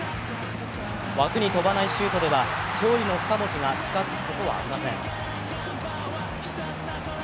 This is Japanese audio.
枠に飛ばないシュートでは勝利の二文字が近づくことはありません。